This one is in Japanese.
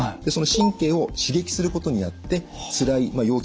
その神経を刺激することになってつらいまあ